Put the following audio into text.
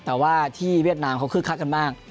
แต่ว่าที่เวียดนามเขาคึกคักกันมาก